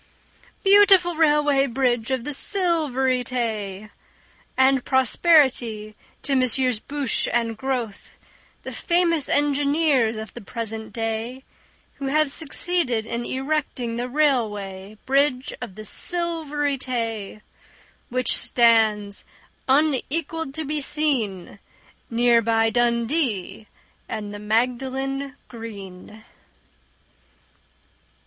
Beautiful Railway Bridge of the Silvery Tay! And prosperity to Messrs Bouche and Grothe, The famous engineers of the present day, Who have succeeded in erecting The Railway Bridge of the Silvery Tay, Which stands unequalled to be seen Near by Dundee and the Magdalen Green.